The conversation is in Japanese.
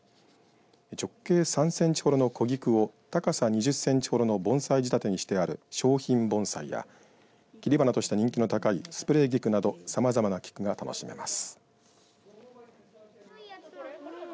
直径３０センチほどの小菊を高さ２０センチほどの盆栽仕立てにしてある小品盆栽や切り花として人気の高いスプレー菊などさまざまな菊が楽しめます。